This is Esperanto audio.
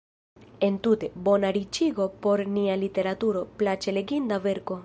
Entute: bona riĉigo por nia literaturo, plaĉe leginda verko.